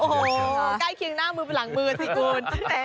โอ้โหใกล้เคียงหน้ามือไปหลังมือสิคุณ